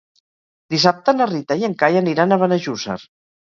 Dissabte na Rita i en Cai aniran a Benejússer.